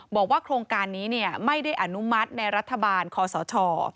บอกว่าโครงการนี้ไม่ได้อนุมัติในรัฐบาลคอสช